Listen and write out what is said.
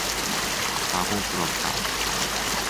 라고 물었다.